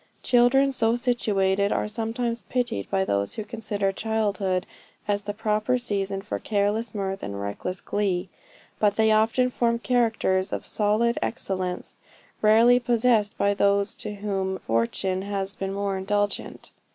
Children so situated are sometimes pitied by those who consider childhood as the proper season for careless mirth and reckless glee; but they often form characters of solid excellence rarely possessed by those to whom fortune has been more indulgent.